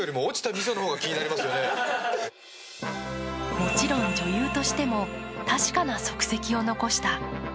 もちろん女優としても確かな足跡を残した。